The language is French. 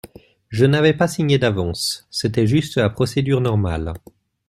Je n’avais pas signé d’avance, c’était juste la procédure normale.